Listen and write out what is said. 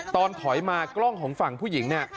ตอนถอยมากล้องของฝั่งผู้หญิงเนี่ย